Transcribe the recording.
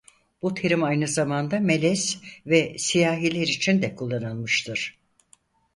Bu terim aynı zamanda melez ve siyahiler için de kullanılmıştır.